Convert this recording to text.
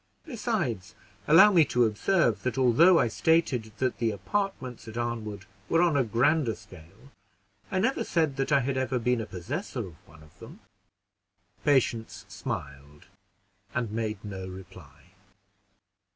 Besides, allow me to observe, that although I stated that the apartments at Arnwood were on a grander scale, I never said that I had ever been a possessor of one of them." Patience smiled and made no reply.